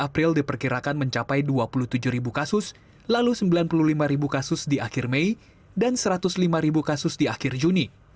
pada bulan juli dua ribu dua puluh diperkirakan mencapai dua puluh tujuh kasus lalu sembilan puluh lima kasus di akhir mei dan satu ratus lima kasus di akhir juni